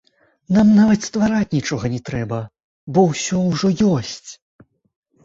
Нам нават ствараць нічога не трэба, бо ўсё ўжо ёсць!